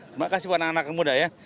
terima kasih buat anak anak muda ya